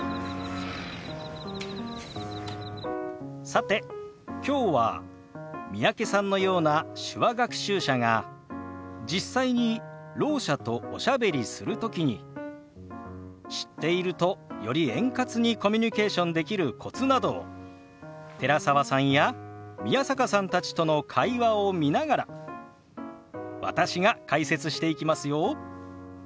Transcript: さてきょうは三宅さんのような手話学習者が実際にろう者とおしゃべりする時に知っているとより円滑にコミュニケーションできるコツなどを寺澤さんや宮坂さんたちとの会話を見ながら私が解説していきますよ。